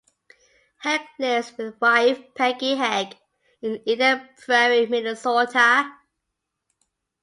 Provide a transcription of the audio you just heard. Hegg lives with wife Peggy Hegg in Eden Prairie, Minnesota.